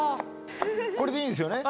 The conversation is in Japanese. これでいいんですよね？